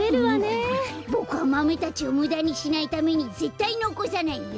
ボクはマメたちをむだにしないためにぜったいのこさないよ。